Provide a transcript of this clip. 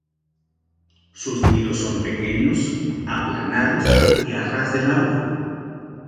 Sus nidos son pequeños, aplanados y a ras del agua.